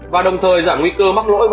và đồng thời giảm nguy cơ mắc lỗi